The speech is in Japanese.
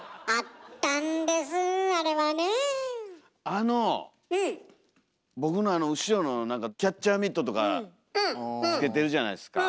あの僕のあの後ろのなんかキャッチャーミットとかつけてるじゃないですか。